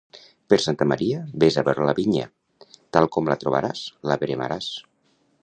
Per Santa Maria, ves a veure la vinya; tal com la trobaràs, la veremaràs.